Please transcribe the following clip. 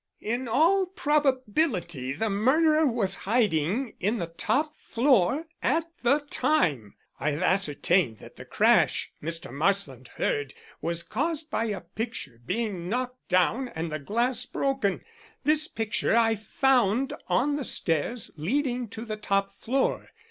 "In all probability the murderer was hiding in the top floor at the time. I have ascertained that the crash Mr. Marsland heard was caused by a picture being knocked down and the glass broken. This picture I found on the stairs leading to the top floor.